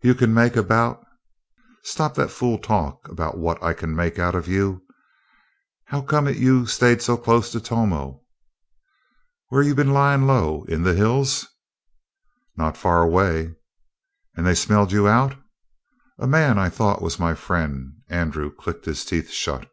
"You can make about " "Stop that fool talk about what I can make out of you. How come it you stayed so close to Tomo? Where was you lyin' low? In the hills?" "Not far away." "And they smelled you out?" "A man I thought was my friend " Andrew clicked his teeth shut.